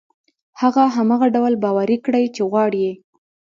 هغه هماغه ډول باوري کړئ چې غواړي يې.